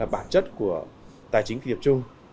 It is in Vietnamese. bản chất của tài chính tiệp trung